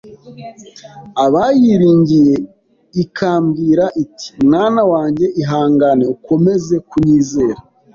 abayiringiye, ikambwira iti: “Mwana wanjye ihangane ukomeze kunyizera